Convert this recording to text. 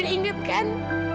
kamu masih ingat kan